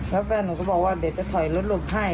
แล้วแฟนหนูก็บอกว่าเดี๋ยวจะถอยรถหลบให้